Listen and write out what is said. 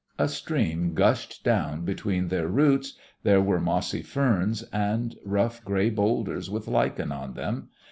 A stream gushed down between their roots, there were mossy ferns, and rough grey boulders with lichen on them.